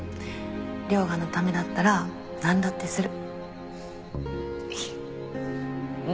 涼牙のためだったらなんだってする。